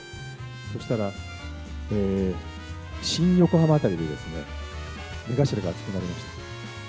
そしたら、新横浜辺りで、目頭が熱くなりました。